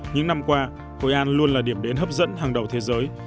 những năm qua hội an luôn là điểm đến hấp dẫn hàng đầu thế giới